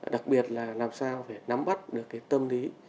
đặc biệt là làm sao phải nắm bắt được cái tâm lý